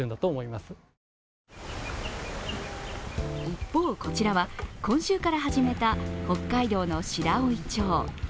一方、こちらは今週から始めた北海道の白老町。